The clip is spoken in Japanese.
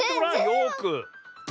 よく。